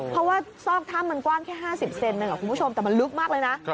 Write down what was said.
เพราะว่าซอกถ้ำมันกว้างแค่๕๐เซนหนึ่งคุณผู้ชมแต่มันลึกมากเลยนะ